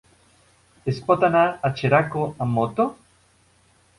Es pot anar a Xeraco amb moto?